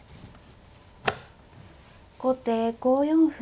後手５四歩。